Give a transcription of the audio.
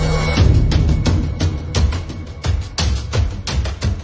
แล้วก็พอเล่ากับเขาก็คอยจับอย่างนี้ครับ